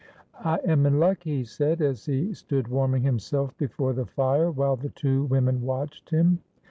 "I am in luck," he said, as he stood warming himself before the fire, while the two women watched him.